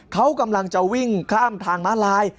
เขากำลังจะวิ่งข้ามทางม้าลาย